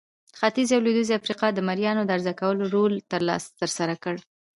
ختیځې او لوېدیځې افریقا د مریانو د عرضه کولو رول ترسره کړ.